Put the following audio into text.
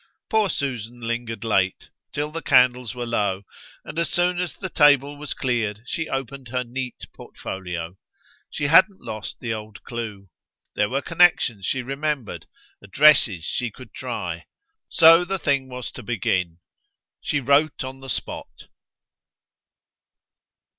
Poor Susan lingered late till the candles were low, and as soon as the table was cleared she opened her neat portfolio. She hadn't lost the old clue; there were connexions she remembered, addresses she could try; so the thing was to begin. She wrote on the spot.